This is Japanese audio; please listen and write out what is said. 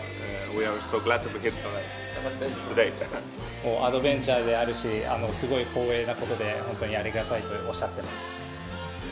もうアドベンチャーであるし、すごい光栄なことで、本当にありがたいとおっしゃっています。